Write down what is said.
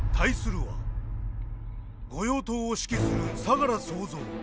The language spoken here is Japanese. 御用盗を指揮する相楽総三。